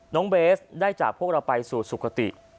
เบสได้จากพวกเราไปสู่สุขติ